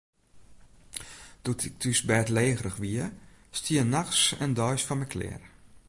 Doe't ik thús bêdlegerich wie, stie er nachts en deis foar my klear.